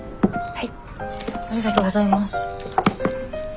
はい。